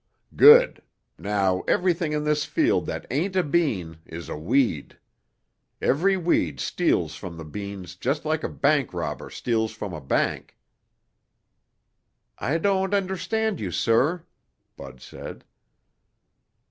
"Good. Now, everything in this field that ain't a bean is a weed. Every weed steals from the beans just like a bank robber steals from a bank." "I don't understand you, sir," Bud said.